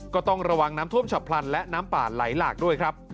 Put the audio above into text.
ก็ต้องระวังน้ำท่วมฉับพลันและน้ำป่าไหลหลากด้วยครับ